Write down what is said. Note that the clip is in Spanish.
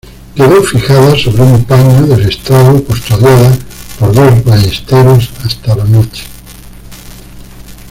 Quedó fijada sobre un paño del estrado custodiada por dos ballesteros hasta la noche.